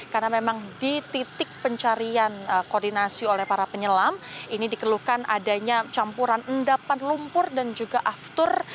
karena memang di titik pencarian koordinasi oleh para penyelam ini dikeluhkan adanya campuran endapan lumpur dan juga aftur